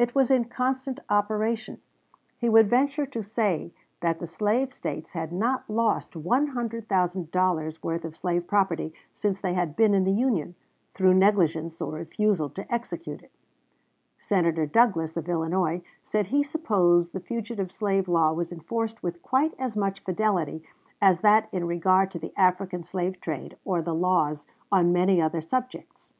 It was in constant operation. He would venture to say that the slave States had not lost $100,000 worth of slave property since they had been in the Union, through negligence or refusal to execute it. "Globe," Dec. 11, 1860, p. 52. Senator Douglas, of Illinois, said he supposed the fugitive slave law was enforced with quite as much fidelity as that in regard to the African slave trade or the laws on many other subjects.